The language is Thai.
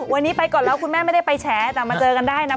วันนี้ไปก่อนแล้วคุณแม่ไม่ได้ไปแฉแต่มาเจอกันได้นะ